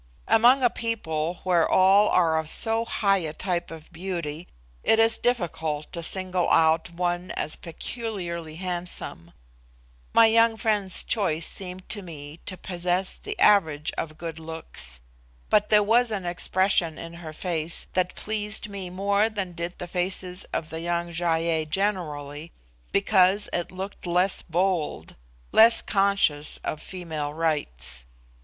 Among a people where all are of so high a type of beauty, it is difficult to single out one as peculiarly handsome. My young friend's choice seemed to me to possess the average of good looks; but there was an expression in her face that pleased me more than did the faces of the young Gy ei generally, because it looked less bold less conscious of female rights.